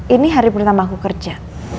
ini hari pertama aku kerja